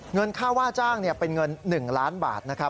เงินค่าว่าจ้างเป็นเงิน๑ล้านบาทนะครับ